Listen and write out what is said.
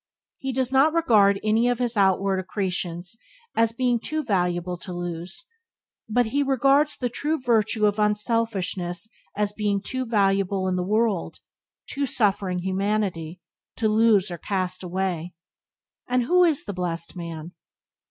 He does not regard any of his outward accretions as being too valuable to lose, but he regards the virtue of unselfishness as being too valuable to the world — to suffering humanity — to lose or cast away. And who is the blessed man?